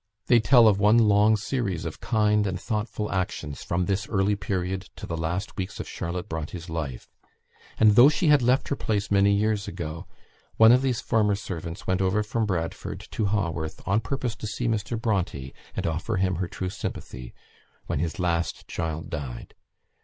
They tell of one long series of kind and thoughtful actions from this early period to the last weeks of Charlotte Bronte's life; and, though she had left her place many years ago, one of these former servants went over from Bradford to Haworth on purpose to see Mr. Bronte, and offer him her true sympathy, when his last child died.